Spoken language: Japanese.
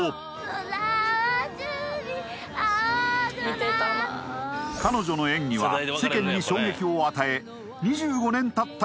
空は澄み青空彼女の演技は世間に衝撃を与え２５年たった